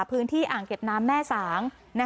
พื้นที่อ่างเก็บน้ำแม่สาง